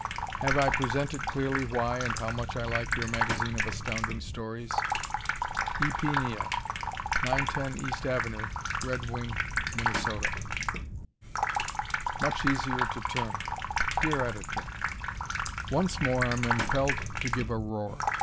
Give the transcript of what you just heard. Have I presented clearly why and how much I like your magazine of Astounding Stories! E. P. Neill, 910 East Ave., Red Wing, Minn. "Much Easier to Turn" Dear Editor: Once more I am impelled to give a roar.